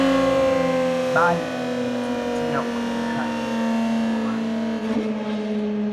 Bali inazingatia uwajibikaji wa maadili tu